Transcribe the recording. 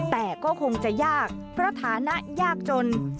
แต่ก็คงจะยากเพราะฐานะยากจน